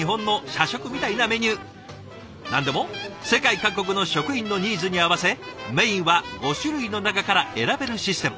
何でも世界各国の職員のニーズに合わせメインは５種類の中から選べるシステム。